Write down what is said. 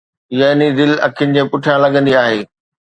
يعني دل، اکين جي پٺيان لڳندي آهي